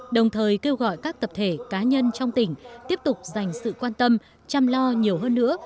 đồng thời kêu gọi các tập thể cá nhân trong tỉnh tiếp tục dành sự quan tâm chăm lo nhiều hơn nữa